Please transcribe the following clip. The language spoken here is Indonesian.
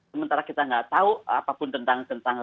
sementara kita nggak tahu apapun tentang